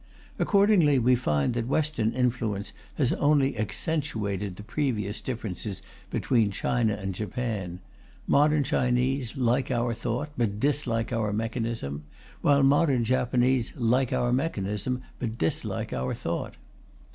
Accordingly we find that Western influence has only accentuated the previous differences between China and Japan: modern Chinese like our thought but dislike our mechanism, while modern Japanese like our mechanism but dislike our thought.